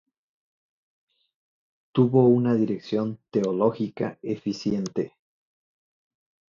Tuvo una dirección teológica eficiente.